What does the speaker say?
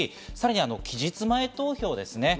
さらに期日前投票ですね。